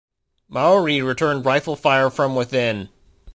Maori returned rifle fire from within.